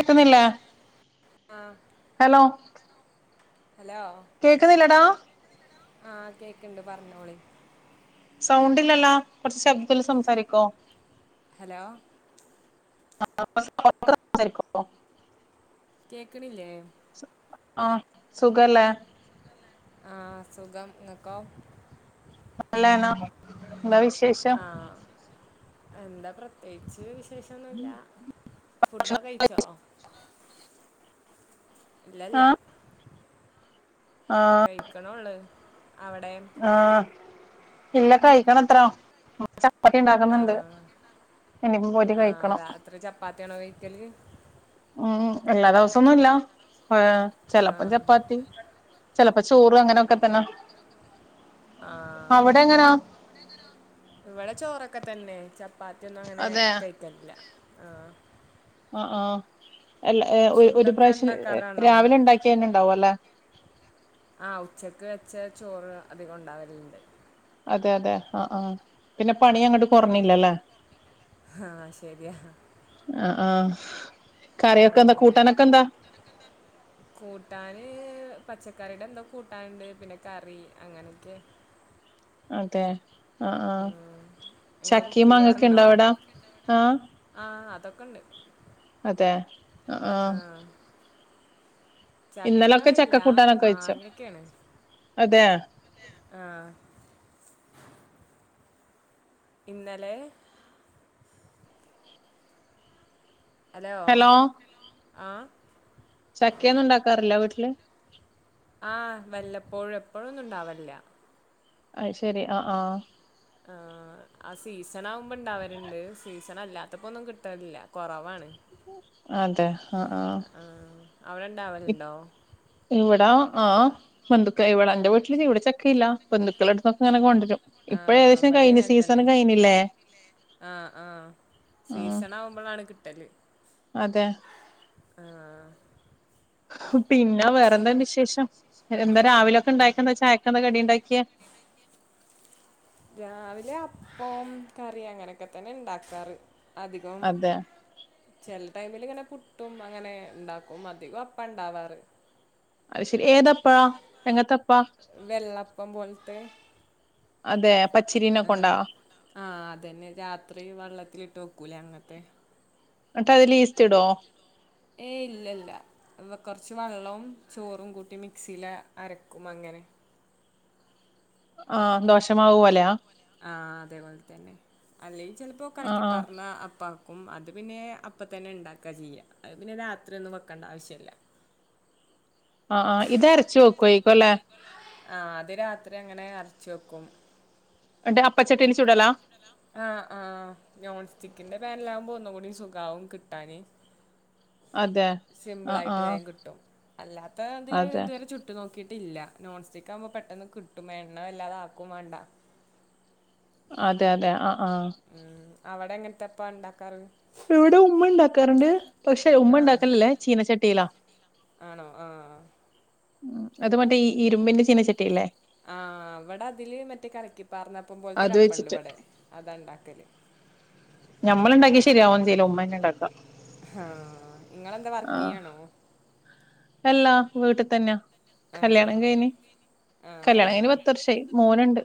കേക്കുന്നില്ലേ ആഹ് hello [unintelligible] hello കേക്കുന്നില്ലടാ ആഹ് കേക്ക്ണ്ട് പറഞ്ഞോളി സൗണ്ടില്ലല്ലോ കുറച്ച് ശബ്ദൽ സംസാരിക്കോ ഹലോ [unintelligible] കേക്ക്ണില്ലേ ആഹ് സുഖല്ലേ ആഹ് സുഖം ങ്ങക്കോ നല്ലാന എന്താ വിശേഷം ആഹ് എന്താ പ്രത്യേകിച്ച് വിശേഷന്നുല്ല ഫുഡോക്കെ കഴിച്ചോ ഇല്ലല്ല ആ ആ കഴിക്കണള്ളു അവിടെയോ ആ ഇല്ല കഴിക്കണത്ര ചപ്പാത്തി ഉണ്ടാക്കുന്നുണ്ട് ആഹ് ഇനിയിപ്പം കൂരി കഴിക്കണം തണ വേയ്ക്കൽ ഉം എല്ലാ ദിവസൊന്നുംല്ല ചെലപ്പം ആഹ് ചപ്പാത്തി ചിലപ്പോ ചോറ് അങ്ങനൊക്കെ തന്നെ ആ അവിടെ എങ്ങനാ ഇവിടെ ചോറൊക്കെ തന്നെ ചപ്പാത്തിന്നും അങ്ങനെ അതെ കഴിക്കറില്ല ആ അ ആ അല്ലഎ ഒ ഒരു ഫുഡൊക്കെ പ്രാവശ്യം ഇണ്ടാക്കാറാണോ രാവിലെ ഉണ്ടാക്കി തന്നെ ഉണ്ടാവും അല്ലെ ആ ഉച്ചക്ക് വെച്ച ചോറ് അധികം ഉണ്ടാവലുണ്ട് അതെ അതെ ആ ആ പിന്നെ പണി അങ്ങോട്ട് കുറഞ്ഞില്ലല്ലേ ആ ശരിയാ അ ആ കറിയൊക്കെ എന്താ കൂട്ടാനൊക്കെ എന്താ കൂട്ടാൻ പച്ചക്കറിയുടെ എന്തോ കൂട്ടാനുണ്ട് പിന്നെ കറി അങ്ങനെയൊക്കെയാ അതെ അ ആ ങ്ങൾ ചെയ്യാറുണ്ടോ ആഹ് ആ അതൊക്കെണ്ട് അതെ അ ആ ചക്ക ഇല്ല കൂട്ടാനൊക്കെ വെച്ചു മാങ്ങൊക്കെയാണ് അതെ ആ ഇന്നലെ ഹലോ ആ ചക്കെന്നും ഉണ്ടാക്കാറില്ല വീട്ടില് അപ്പോഴൊന്നും ഉണ്ടാവെല്ല്യ അയ്ശെരി അ ആ ആ ആ സീസൺ ആകുമ്പോ ഇണ്ടാവല്ണ്ട് സീസൺ അല്ലാത്തപ്പോ ഒന്നും കിട്ടലില്ല കുറവാണ് അതെ അ ആ അവിടെണ്ടാവലുണ്ടോ ആ ബന്ധുക്ക ഇവിടെ എന്റെ വീട്ടില് ഇവിടെ ചക്കയില്ല ബന്ധുക്കളെടുതൊക്കെ ഇങ്ങനെ കൊണ്ടുവരും ഇപ്പഴ് ഏകദേശം കഴിഞ്ഞു സീസൺ കഴിഞ്ഞില്ലേ ആ ആ ആഹ് സീസൺ ആവുമ്പോളാണ് കിട്ടല് അതെ ആ പിന്നെ വേറെന്താ വിശേഷം എന്താ രാവിലൊക്കെ ഉണ്ടാക്കെയെന്താ ചായക്കെന്താ കടിണ്ടാക്ക്യേ? രാവിലെ അപ്പോം കറി അങ്ങനൊക്കെ തന്നെ ഇണ്ടാക്കാറ്. അധികം അതെ ചെല ടൈമില്ങ്ങനെ പുട്ടും അങ്ങനെ ഇണ്ടാക്കും. അധികോം അപ്പാണ്ടാവാറ്. അത് ശരി ഏതപ്പാ എങ്ങത്തപ്പാ? വെള്ളപ്പം പോലത്തെ അതെ പച്ചിരീന കൊണ്ടാ ആഹ് ആഹ് അതന്നെ രാത്രി വെള്ളത്തിലിട്ട് വ ക്കൂലേ അങ്ങത്തെ ന്നട്ട് അതിലീസ്റ്റിടോ? ഏയ് ഇല്ലല്ല കൊറച്ച് വെള്ളവും ചോറും കൂട്ടി മിക്സീല് അരക്കും അങ്ങനെ. ആഹ് ദോശമാവുപോലെ ആഹ് അതേപോലെ തന്നെ അല്ലേങ്കി ചിലപ്പോ ആഹ് കലക്കി ആഹ് പാർന്ന അപ്പാ ക്കും അത് പിന്നെ അപ്പ തന്നെ ഇണ്ടാക്കാ ചെയ്യാ. അത് പിന്നെ രാത്രി ഒന്നും വെക്കേണ്ട ആവശ്യല്ല. ആഹ് ആഹ് ഇത് അരച്ച് വെക്കുവായിരിക്കോല്ലേ? ആ അത് രാത്രി അങ്ങനെ അരച്ച് വെക്കും. അപ്പ ചട്ടീല് ചൂടലാ? ആഹ് ആഹ് നോൺ സ്റ്റിക്കിന്റെ പാനിലാകുമ്പോ ഒന്നും കൂടി സുഖാവും കിട്ടാന് അതെ സിമ്പിൾ ആഹ് ആയിട്ട് ആഹ് വേഗം കിട്ടും. അല്ലാത്ത ഇതില് അതെ ഇതുവരെ ചുട്ട് നോക്കി ട്ടില്ല നോൺസ്റ്റിക്ക് ആവുമ്പോ പെട്ടെന്ന് കിട്ടും. എണ്ണ വല്ലാതെ ആക്കും വേണ്ട. അതെ അതെ ആഹ് ആഹ് അവടെ എങ്ങനത്തപ്പാ ഇണ്ടാക്കാറ്? ഇവടെ ഉമ്മ ഇണ്ടാക്കാറുണ്ട് പക്ഷെ ആ ഉമ്മണ്ടാക്കലില്ലേ ചീനച്ചട്ടീലാ ആഹ് ഉം അത് മറ്റേ ഈ ഇരുമ്പിന്റെ ചീനച്ചട്ടിയില്ലേ ആഹ് ഇവടെ അതില് മറ്റേ കലക്കിപ്പാർന്നപ്പം അത് പോലത്തൊരപ്പംണ്ട് വെച്ചിട്ട് ഇവടെ അതാണ്ടാ ക്കല് ഞമ്മള്ണ്ടാക്കിയാ ശരിയാവൊന്നും ചെയ്യില്ല ഉമ്മന്നെണ്ടാക്കാ ആഹ് ഇങ്ങളെന്താ വർക്കിയ്യാണോ അല്ലാ വീട്ട് തന്നാ കല്യാണം ആഹ് കഴിഞ്ഞ് ആഹ് കല്യാണം കഴിഞ്ഞ് ആഹ് പത്ത് വർഷായി മോന്ണ്ട്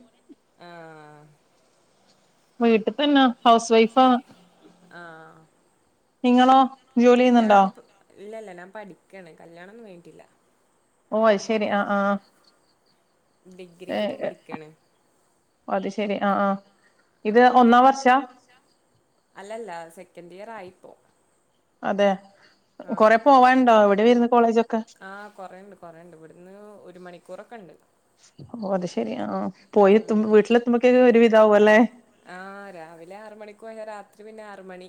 ആഹ് വീട്ടി തന്നാ ഹൗസ് വൈഫാണ് ആഹ് നിങ്ങളോ ജോലി ചെയ്യുന്നുണ്ടോ ഞാപ്പൊ ഇല്ലല്ല ഞാൻ പഠിക്കാണ് കല്ല്യാണൊന്നും കഴിഞ്ഞിട്ടില്ല ഓ അയ് ശരി ആഹ് ആഹ് ആഹ് ഡിഗ്രിക്ക് ഇപ്പൊ പഠിക്കാണ് ഓ അത് ശെരി ആഹ് ആഹ് ഇത് ആഹ് ഒന്നാം വർഷാ അല്ലല്ല സെക്കൻഡ് ഇയർ ആയി അതെ ആഹ് കൊറെ പോവാനുണ്ടോ എവിടെ വരുന്നു കോളേജൊക്കെ ആഹ് കൊറെണ്ട് കൊറെണ്ട് ഇവിടുന്ന് ഒരു മണിക്കൂറൊക്കെ ഉണ്ട് ഓ അത് ശെരി ആ ആ പോയെത്തുമ്പോ ഉം വീട്ടിലെത്തുമ്പക്കിന് ഒരുവിധാവോല്ലേ ആഹ് രാവിലെ ആറ് മണിക്ക് പോയാ രാത്രി പിന്നെ ആറ് മണി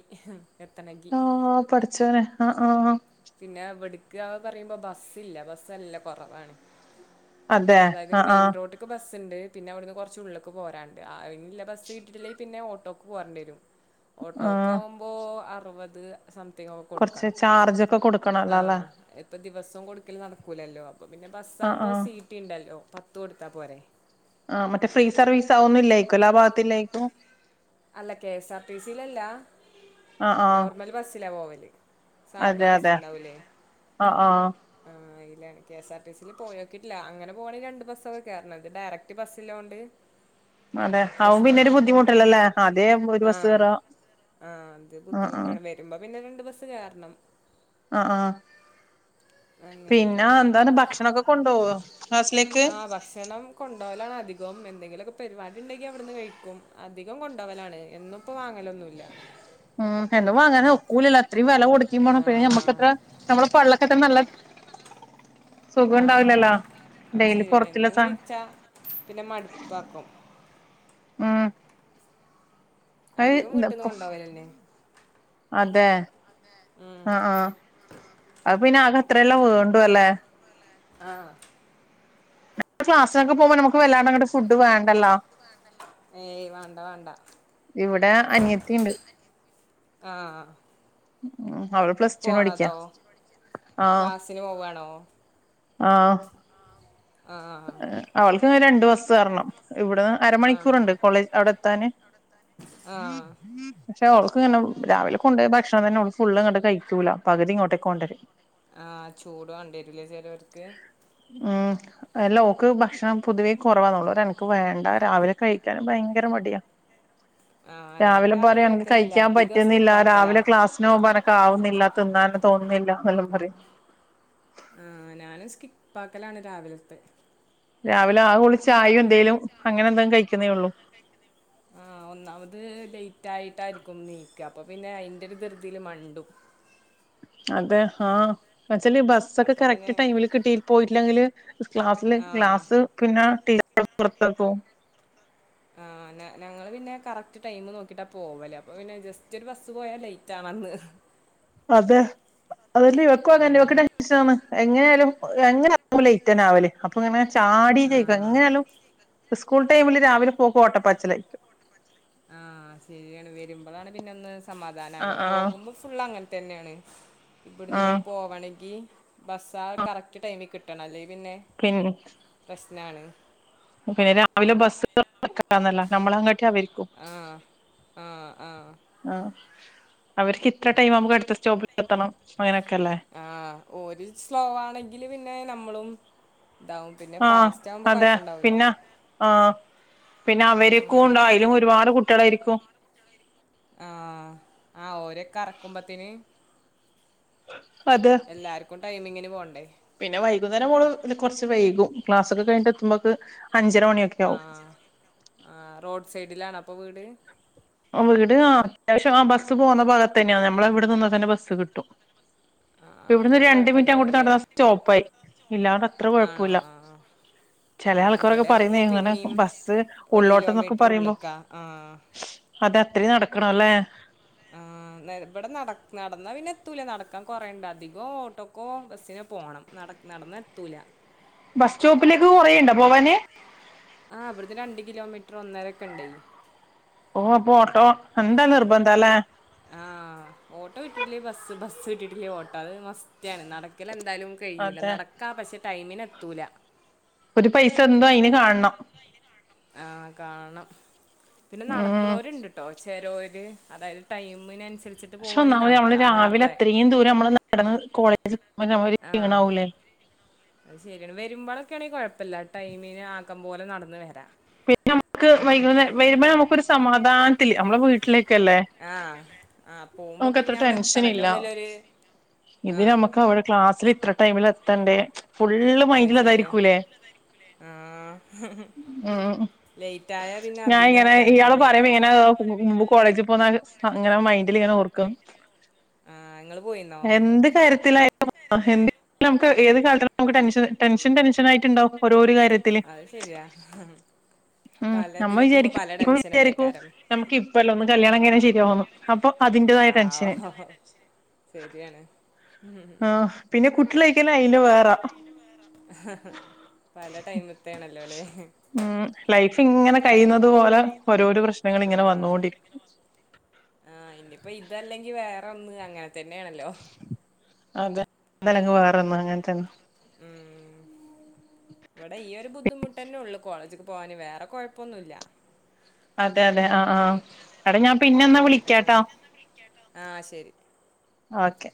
എത്തണങ്കി ആഹ് പഠച്ചോനെ ആഹ് ആഹ് പിന്നെ ഇവിടുക്ക്‌ അഅ് പറയുമ്പോ ബസ്സില്ല ബസ്സല്ല കുറവാണ് അതെ ആഹ് ആഹ് ണ്ട് പിന്നെ അവിടുന്ന് കുറച്ച് ഉള്ളിക്ക്‌ പോരാണ്ട് ആഹ് അയിനില്ല ബസ് കിട്ടിട്ടില്ലെങ്കി പിന്നെ ഓട്ടോക്ക് പോരണ്ടേരും ആഹ് ഓട്ടോക്കാവുമ്പോ അറുപത് സംതിങ് ഒക്കെ കൊറച്ച് കൊടുക്കണം ചാർജൊക്കെ ആ ആ കൊടുക്കണല്ലോ അല്ലേ ഇപ്പൊ ദിവസം കൊടുക്കല് നടക്കൂലല്ലോ അപ്പൊ പിന്നെ ആഹ് ബസ്സാവുമ്പോ ആഹ് സി ടിണ്ട ല്ലോ പത്തു കൊടുത്താ പോരെ ആ മറ്റേ ഫ്രീ സർവീസ് ആവുന്നില്ലേക്കും എല്ലാ ഭാഗത്തില്ലേക്കും അല്ല കെ എസ് ആർ ടി സിലല്ല ആ ആ നോർമൽ ബസ്സിലാ പോവല് സാദാ അതെ അതെ ബസ്സുണ്ടാവൂല്ലേ ആ ആ ല്ല കെ എസ് ആർ ടിസിൽ പോയോക്കിട്ടില്ല അങ്ങനെ പോകണങ്കിൽ രണ്ട് ബസൊക്കെ കേയറണംഇത് ഡയറക്റ്റ് ബസ്സിലോണ്ട് അതെ ആവും പിന്നെരു ബുദ്ധിമുട്ടല്ലെല്ലേ ആഹ ആഹ അത് ആ ആ ബുദ്ധിമുട്ടാണ് വരുമ്പോ ന്നെ രണ്ട് ബസ്സ് കേറണം ആഹ ആഹ പിന്നെ അങ്ങനെയൊക്കെയാണ് എന്താണ് ഭക്ഷണൊക്കെ കൊണ്ടോവോ ഹസ ആ ഭസ്സണം കൊണ്ടോവലാണ് അധികം എന്തെങ്കിലുംക്കെ പരിപാടി ഉണ്ടെങ്കി അവിടുന്ന് കഴിക്കും അധികം കൊണ്ടവലാണ് എന്നും ഇപ്പോ വാങ്ങലൊന്നുല്ല ഉം എന്നും വാങ്ങാനൊക്കൂലലോ അ ത്രീം വെല കൊടുക്കെ വേണം ആഹ് ഞമ്മക്കത്ര ഞമ്മളെ പള്ളക്കത്ര നല്ല സുഖം ആഹ് ഉണ്ടാവൂലല്ലോ അത് ശെരിഎന്നേണ് എന്നും കഴിച്ചാ പിന്നെ മടുപ്പാക്കും ഉം അധികം അത് വീട്ട്ന്ന് കൊണ്ടോവലെന്നെ അതെ ആഹ ആഹ് അ പിന്നെ ആക അത്രയല്ലെ വേണ്ടൂ അല്ലേ ആഹ ഇപ്പൊ ക്ലാസി നോക്കെ പോകുമ്പോ നമുക്ക് വല്ലാണ്ട അങ്ങട്ട് ഫുഡ് വേണ്ടല്ലോ ഏയ് വാണ്ട വാണ്ട. ഇവിടെ അനിയത്തിണ്ട് ആഹ് ം. അവള് പ്ലസ്ട്ടറ്റുന് പടിക്കാ പോണതോ ആ. ക്ലാസ്സിന് പോവാണോ ആഹ് ആഹഹാ. രണ്ടുബസ്സ് കേറണം. ഇവിടെന്ന് ആണോ അരമണിക്കൂർണ്ട് കോളേജ് അവിടെത്താന്. ആഹ് പക്ഷെ ഓൾക്ക് ഇങ്ങനെ രാവിലെ കൊണ്ടോയ ഭക്ഷണം തന്നെ ഫുള് ഇങ്ങണ്ട് കഴിക്കൂല്ല പകുതി ഇങ്ങോട്ടേക്ക് കൊണ്ട രും. ആ ചൂട് വാണ്ടിരുല്ലേ ചെ ലോര്ക്ക്. ആ അല്ല ഓൾക്ക് ഭക്ഷണം പൊതുവെ കോറവാള്ളൂന്നോള്ളു ഓള് പറിം എനക്ക് വേണ്ട രാവിലെ കഴിക്കാനും ഭയങ്കര മടിയാ. ആഹ് ഞാനും രാവിലെ പറയാ എനിക്ക് കഴിക്കാറില്ല കഴിക്കാൻ അധികം പറ്റുന്നില്ല സ്കിപ്പാക്കലാ രാവിലെ ക്ലാസ്സിന് പോകുമ്പോ ആവുന്നില്ല തിന്നാന തോന്നുന്നില്ല എന്നെല്ലാം പറിം. ആ ഞാനും സ്കിപ്പാക്കലാണ് രാവിലത്തെ. രാവിലെ ആക ഓള് ചായയും എന്തേലും അങ്ങനെ എന്തെങ്കിലും കഴിക്കുന്നേ ഉള്ളൂ. ആ. ഒന്നാമത് ലേറ്റ് ആയിട്ടായിരിക്കും നീക്ക അപ്പൊ പിന്നെ അയിന്റെ രു ത്ർതീൽ മണ്ടും. അതെ ആ. വെച്ചാല് ബസ്സൊക്കെ അപ്പൊ പിന്നെ കറക്റ്റ് ടൈമില് കിട്ടി പോയിട്ടില്ലെങ്കിൽ ക്ലാസ്സില് ആഹ് ക്ലാസ് പിന്നെ. [unintelligible] പുർത്താക്കും. ആ ഞങ്ങള്ൾ പിന്നെ കറക്റ്റ് ടൈം നോക്കിട്ടാ പോവല് അപ്പൊ പിന്നെ ജസ്റ്റ് ഒരു ബസ്സ് പോയാൽ ലേറ്റ് ആണ്. അന്ന്. അതെ അതെല്ല ഇവക്കുഅതെന്നെ ഉം [unintelligible] എങ്ങനെ എങ്ങനയാലും ലെയ്റ്റന്നാവൽ അപ്പൊ ഇങ്ങനെ ചാടി ചെയ്ത ആഹ് എങ്ങനെയാലും സ്കൂൾ ടൈമില് രാവിലെ പോക് ഓട്ടപ്പാച്ല്. ആ ശരിയാണ് വരുമ്പോളാണ് പിന്നെ ഒന്ന് സമാധാനവ ആഹ് ആഹ് പോകുമ്പോ ഫുള്ള അങ്ങ തന്നെയാണ് ഇവിടന്നും ആഹ് പോണെങ്കിൽ ബസ്സാ കറക്റ്റ് ടൈമ് കിട്ടണം അല്ലെ പിന്നെ പിന്നെ പ്രശ്നാണ്. പിന്നെ രാവിലെ ബസ്സ ക്കന്നല്ല നമ്മളങ്ങട്ടവരിക്കും ആഹ് ആഹ് ആഹ് ആ അവർക്ക് ഇത്ര ടൈം അമക്കട്ത്ത സ്റ്റോപ്പിലെത്തണം അങ്ങനെ ആ ഓരു സ്ളോവാണെങ്കില് പിന്നെ നമ്മളും ഇതാവും പിന്നെ ആ ഫാസ്റ്റ് ആവുമ്പോ അതെ കൊഴപ്പണ്ടാവൂല പിന്ന ആ പിന്നെ അവര്ക്കുണ്ട ആയ്ലും ഒരുപാട് കുട്ട്യാളാരിക്കും ആ ആ ഓരക്കറക്കുമ്പത്തിന് [inaudible] എല്ലാർക്കും ടൈമിങ്ങിന് പോണ്ടേ? പിന്നെ വൈകുന്നേരം മോള് കുറച്ച് വൈകും ക്ലാസ് ഒക്കെ കഴിഞ്ഞട്ട് എത്തുമ്പോക്ക് അഞ്ചര മണിയൊക്കെ ആ ആവും ആ റോഡ് സൈഡിലാണപ്പൊ വീട്? വീട് ആ അത്യാവശ്യം ആ ബസ്സ് പോകുന്ന ഭാഗത്ത് തന്നെയ നമ്മളെവിടെ നിന്ന തന്നെ ബസ്സ് കിട്ടും. ആഹ് ഇവിടന്ന് ഒരു അതുകൊണ്ട് രണ്ട് മിനിറ്റ് അങ്ങോട്ട് കൊഴപ്പണ്ടാവൂലല്ലേ നടന്ന സ്റ്റോപ്പായി. ഇല്ലാതത്ര ആണോ കൊഴപ്പുല്ല. ആ ആ ചില ഉം ആൾക്കാരൊക്കെ ഇവിടെ പറയുമ്പോ പറയുന്നനെ പിന്നിം ബസ്സ് ഒരു ഉള്ളോട്ടന്നൊക്കെ കിലോമീറ്റർ പറയുമ്പോ ഉള്ള്ക്കാ ആ അതെ അത്രീം നടക്കണല്ലേ. ആ ഇവിടെ നട നടന്നാ പിന്നെ എത്തൂല നടക്കാൻ കൊറേണ്ട് അധികോ ഓട്ടോക്കോ ബസ്സിനോ പോണം നട് നടന്നെത്തൂല. ബസ്സ്റ്റോപ്പിലേക്ക് കൊറേയ്ണ്ടൊ പോവാന്. ആ വിടുന്ന് രണ്ട് കിലോമീറ്റർ ഒന്നരൊക്കെണ്ടയ്. ഓ അപോട്ടോ എന്തായാലും നിർബന്ധല്ലേ? ആ ഓട്ടോ കിട്ടീട്ടില്ലേ ബസ്സ്, ബസ്സ് കിട്ടീട്ടില്ലേ ഓട്ടോ അത് മസ്റ്റാണ്. നടക്കലെൻ ന്താലും കയ്യൂല അതെ നടക്കാ പക്ഷെ ടൈമ്നെത്തൂല. ഒരു പൈസ ന്തോ അയിന് കാണണം ആ കാണം പിന്നെ ഉം നടക്ക്ണോര്ണ്ട്ട്ടോ ചെരോര് അതായത് ടൈമിനൻസ് പക്ഷെ ഒന്നാമതി നമ്മള് രാവിലെ അത്രീം ദൂരം നമ്മള് നടന്ന് കോളേജ് ആ അത് ശരിയാണ് വരുമ്പള് ക്കാണെ കൊഴപ്പല്ല ടൈമിന് ആക്കം പോലെ നടന്നന്ന് വരാ. പിന്നെ നമ്മുക്ക് വൈകുന്നേ വരുമ്പോ നമുക്കൊരു സമാധാനത്തില് അമ്മളെ വീട്ടിലേ ആ ആ പോകുമ്പോ പിന്നെ അവിടെത്തണല്ലോന്ന്ല്ലര് ഇിത് നമക്ക അവടെ ക്ലാസ്ലിലിത്ര ടൈമില് എത്തണ്ടേ? ഫുള്ള് അത് മൈൻഡിൽ ശരിയാ അതായിരിക്കൂലേ ആ മ് ഞാ ഇങ്ങനെ അതിനേക്കാരം ഇയാള് പിന്നെ പറയമ്പങ്ങനെ കോളേജ് ങ്ങളെ മൈന്റ്ല്ങ്ങനെ ഓർക്കും ആഹ് ഇങ്ങള് പോയിന്നോ എന്ത് കാര്യത്തിലാ [unintelligible] ഏത് കാലത്തായാലും ടെൻഷൻ ടെൻഷൻ ടെൻഷനായിട്ട് ഇണ്ടാവും ഓരോര് കാര്യ അത് ശെരിയാ. ഉം നമ്മൾ വിചാരിക്കും വിചാരിക്കൂ ടെൻഷനല്ലേക്കാരം നമുക്ക് ഇപ്പല്ല ഒന്ന് കല്യാണം കൈഞ്ഞ ശരിയാവൂന്ന്. അപ്പൊ അതിന്റെതായ ടെൻഷന്. ആഹ് ശരിയാണ് ആ പിന്നെ കുട്ട്യളായിക്കയിഞ്ഞ അയിന് വേറ. പല ടൈമ്ത്തേണല്ലോലെ? ഉം ലൈഫ്ങ്ങനെ കഴിയുന്നത് പോലെ ഓരോരൊ പ്ര ശ്നങ്ങളിങ്ങനെ വന്നോണ്ടിരിക്കു. ആ ഇനിപ്പൊ ഇതല്ലെങ്കി വേറൊന്ന് അങ്ങനെ തന്നേണല്ലോ. അതെ. ഒന്നല്ലങ്കി വേറൊന്ന് അങ്ങൻതന്നെ. ഉം. ഇവടെ ഈ ഒരു ബുദ്ധിമുട്ടന്നെള്ളു. കോളേജ്ക്ക് പോവാന്. വേറെ കൊയപ്പൊന്നുല്ല. അതെ അതെ അ ആ എട ഞാൻ പിന്നെന്നാ വിളിക്കാട്ടാ ആ ശരി ഓക്കെ